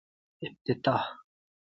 افتتاح